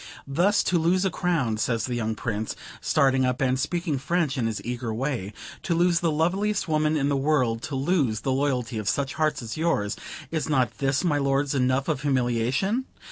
"Thus to lose a crown," says the young Prince, starting up, and speaking French in his eager way; "to lose the loveliest woman in the world; to lose the loyalty of such hearts as yours, is not this, my lords, enough of humiliation?